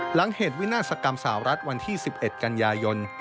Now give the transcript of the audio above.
หลังเหตุวินาศกรรมสาวรัฐวันที่๑๑กันยายน